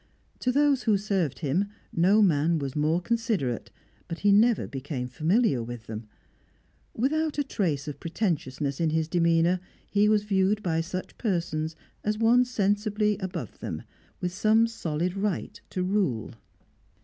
To those who served him, no man was more considerate, but he never became familiar with them; without a trace of pretentiousness in his demeanour, he was viewed by such persons as one sensibly above them, with some solid right to rule.